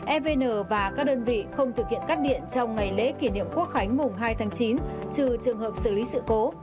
evn và các đơn vị không thực hiện cắt điện trong ngày lễ kỷ niệm quốc khánh mùng hai tháng chín trừ trường hợp xử lý sự cố